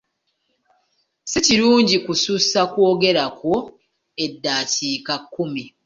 Si kirungi kusussa kwogerkwo ddaakiika kkumi.